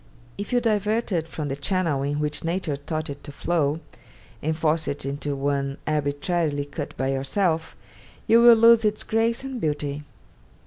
If you divert it from the channel in which nature taught it to flow, and force it into one arbitrarily cut by yourself, you will lose its grace and beauty.